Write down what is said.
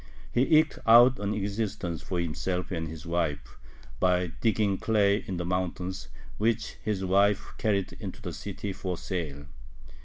He eked out an existence for himself and his wife by digging clay in the mountains, which his wife carried into the city for sale.